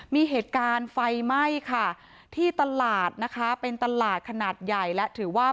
มีเหตุการณ์ไฟไหม้ค่ะที่ตลาดนะคะเป็นตลาดขนาดใหญ่และถือว่า